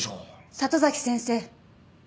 里崎先生。